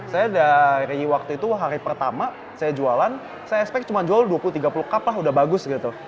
saya dari waktu itu hari pertama saya jualan saya expect cuma jual dua puluh tiga puluh cup lah udah bagus gitu